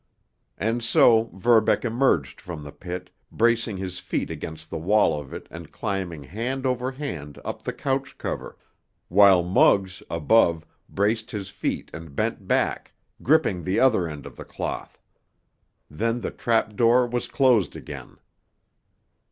And so Verbeck emerged from the pit, bracing his feet against the wall of it and climbing hand over hand up the couch cover, while Muggs, above, braced his feet and bent back, gripping the other end of the cloth. Then the trapdoor was closed again.